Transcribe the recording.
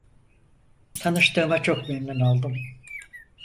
Tanıştığıma çok memnun oldum.